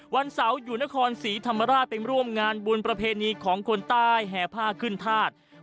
วันเสาร์อยู่นครศรีธรรมราชไปร่วมงานบุญประเพณีของคนใต้แห่ผ้าขึ้นธาตุ